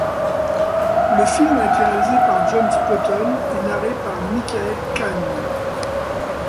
Le film a été réalisé par John Spotton et narré par Michael Kane.